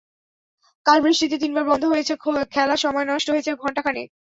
কাল বৃষ্টিতে তিনবার বন্ধ হয়েছে খেলা, সময় নষ্ট হয়েছে ঘণ্টা খানেক।